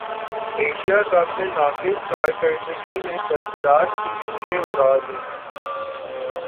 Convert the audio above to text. Asia cup میں ناقص کارکردگی نے سرفراز کی نیندیں اڑا دیں